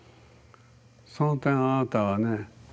その点あなたはね